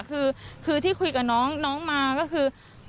คือที่คุยกับน้องมาก็คือ